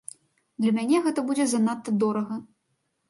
Для мяне гэта будзе занадта дорага.